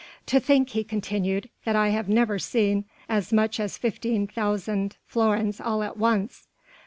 "To think," he continued, "that I have never even seen as much as fifteen thousand florins all at once.